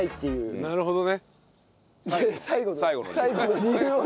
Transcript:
なるほどね。